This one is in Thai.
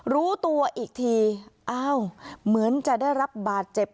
รู้ตัวอีกทีอ้าวเหมือนจะได้รับบาดเจ็บ